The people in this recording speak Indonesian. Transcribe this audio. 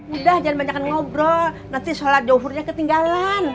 udah jangan banyak ngobrol nanti sholat jauhurnya ketinggalan